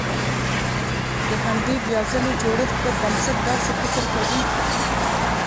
د همدې بيا ځلې جوړښت پر بنسټ داسې فکر کوي.